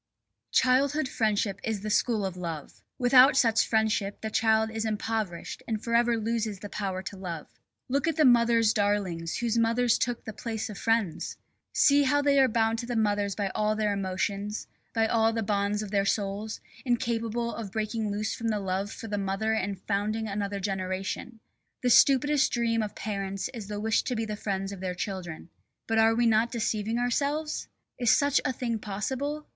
Childhood friendship is the school of love. Without such friendship the child is impoverished and forever loses the power to love. Look at the mothers' darlings whose mothers took the place of friends! See how they are bound to their mothers by all their emotions, by all the bonds of their souls, incapable of breaking loose from the love for the mother and founding another generation. The stupidest dream of parents is the wish to be the friends of their children. But are we not deceiving ourselves? Is such a thing possible?